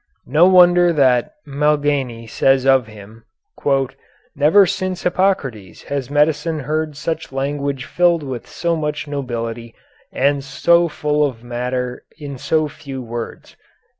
No wonder that Malgaigne says of him, "Never since Hippocrates has medicine heard such language filled with so much nobility and so full of matter in so few words."